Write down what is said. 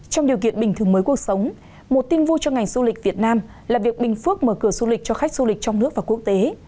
trong điều kiện bình thường mới cuộc sống một tin vui cho ngành du lịch việt nam là việc bình phước mở cửa du lịch cho khách du lịch trong nước và quốc tế